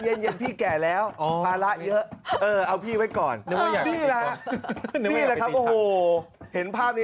แต่เสียงมันจะเปลี่ยนหรือว่าต้องเปลี่ยนผู้ประกาศ